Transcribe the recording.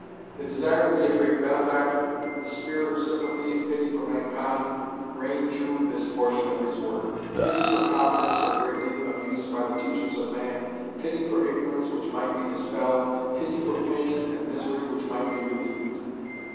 The desire to be a great benefactor, the spirit of sympathy and pity for mankind, reign through this portion of his work pity for confidence so greatly abused by the teachers of man, pity for ignorance which might be dispelled, pity for pain and misery which might be relieved.